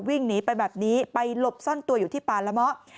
วิ่งหนีไปแบบนี้ไปหลบซ่อนตัวอยู่ที่ป่าละเมาะ